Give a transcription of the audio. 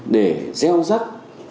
để gieo rắc